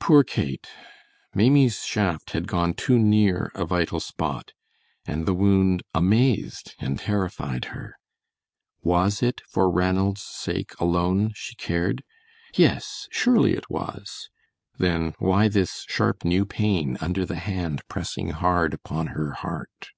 Poor Kate! Maimie's shaft had gone too near a vital spot, and the wound amazed and terrified her. Was it for Ranald's sake alone she cared? Yes, surely it was. Then why this sharp new pain under the hand pressing hard upon her heart?